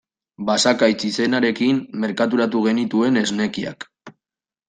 Basakaitz izenarekin merkaturatu genituen esnekiak.